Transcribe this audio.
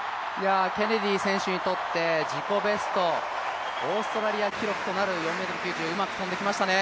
ケネディ選手にとって、自己ベスト、オーストラリア記録となる４ｍ９０、うまく跳んできましたね。